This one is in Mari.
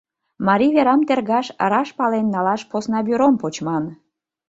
Марий верам тергаш, раш пален налаш посна бюром почман.